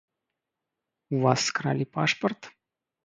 У вас скралі пашпарт?